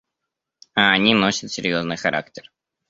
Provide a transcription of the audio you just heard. А они носят серьезный характер.